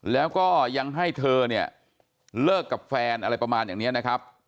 แล้วก็ยังให้เธอเนี่ยเลิกกับแฟนอะไรประมาณอย่างนี้นะครับ